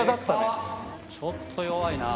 ちょっと弱いな。